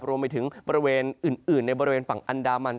รวมไปถึงบริเวณอื่นในบริเวณฝั่งอันดามัน